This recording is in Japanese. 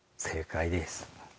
正解です